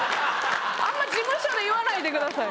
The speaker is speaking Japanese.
あんま事務所で言わないでください。